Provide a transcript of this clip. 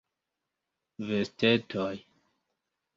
Vestetoj.